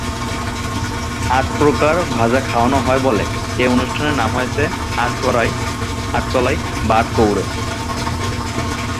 আট প্রকার ভাজা খাওয়ানো হয় বলে এ অনুষ্ঠানের নাম হয়েছে আটকড়াই, আটকলাই বা আটকৌড়ে।